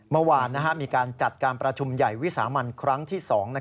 เมื่อวานมีการจัดการประชุมใหญ่วิสามันครั้งที่๒